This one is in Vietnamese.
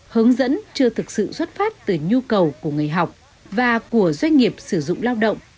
hướng dẫn chưa thực sự xuất phát từ nhu cầu của người học và của doanh nghiệp sử dụng lao động